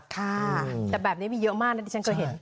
ค่ะแต่แบบนี้มีเยอะมากนะที่ฉันเคยเห็น